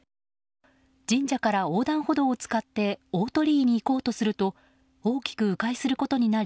神社から横断歩道を使って大鳥居に行こうとすると大きく迂回することになり